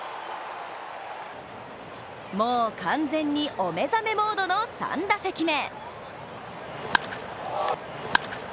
もう完全にお目覚めモードの３打席目。